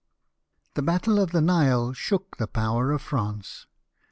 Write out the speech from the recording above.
The battle of the Nile shook the power of France.